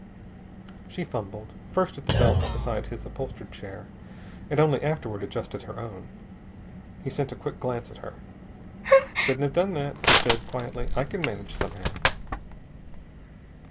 She fumbled, first at the belt beside his upholstered chair, and only afterward adjusted her own. He sent a quick glance at her. "Shouldn't have done that," he said quietly. "I can manage somehow."